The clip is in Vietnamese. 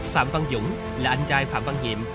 phạm văn dũng là anh trai phạm văn nhiệm